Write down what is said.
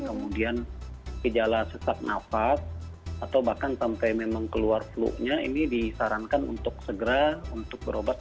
kemudian gejala sesak nafas atau bahkan sampai memang keluar flu nya ini disarankan untuk segera untuk berobat